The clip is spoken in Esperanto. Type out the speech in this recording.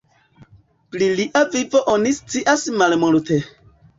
Pli lia vivo oni scias malmulte.